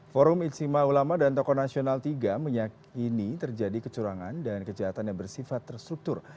forum ijtima ulama dan tokoh nasional tiga meyakini terjadi kecurangan dan kejahatan yang bersifat terstruktur